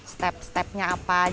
melakukan setiap langkah ini